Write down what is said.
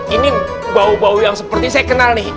ini bau bau yang seperti saya kenal nih